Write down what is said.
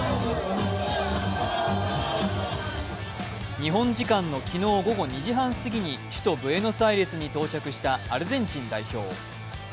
日本時間の昨日午後２時半すぎに首都ブエノスアイレスに到着したアルゼンチン代表。